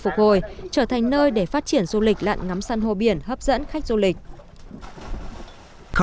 phục hồi trở thành nơi để phát triển du lịch lặn ngắm săn hô biển hấp dẫn khách du lịch